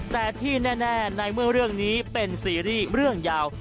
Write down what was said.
แต่ที่แน่ในเมื่อเรื่องนี้เป็นซีรีส์เรื่องยาว